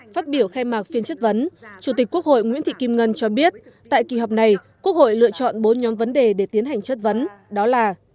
phát biểu khai mạc phiên chất vấn chủ tịch quốc hội nguyễn thị kim ngân cho biết tại kỳ họp này quốc hội lựa chọn bốn nhóm vấn đề để tiến hành chất vấn đó là